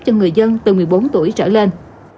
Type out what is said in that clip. cho người dân từ một mươi bốn tuổi trở lên